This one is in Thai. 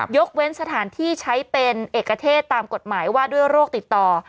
ยกเว้นสถานที่ใช้เป็นเอกเทศตามกฎหมายว่าด้วยโรคติดต่อ